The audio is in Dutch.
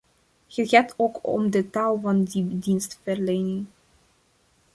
Het gaat ook om de taal van die dienstverlening.